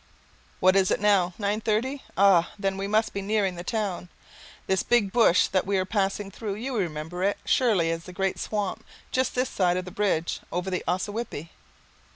What is it now nine thirty? Ah, then we must be nearing the town, this big bush that we are passing through, you remember it surely as the great swamp just this side of the bridge over the Ossawippi?